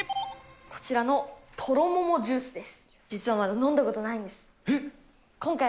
こちらのとろももジュースです。